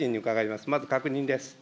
まず確認です。